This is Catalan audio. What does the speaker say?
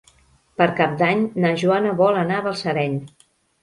Per Cap d'Any na Joana vol anar a Balsareny.